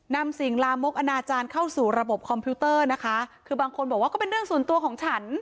นำสิ่งลามกอนาจารย์เข้าสู่ระบบคอมพิวเตอร์นะคะคือบางคนบอกว่าก็เป็นเรื่องส่วนตัวของฉัน